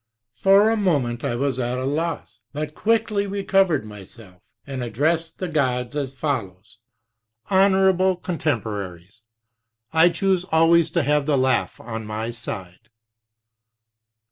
For a moment I was at a loss, but quickly recovered myself and addressed the gods as follows: Honorable Contempo raries, I choose always to have the laugh on my side.